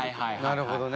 なるほどね。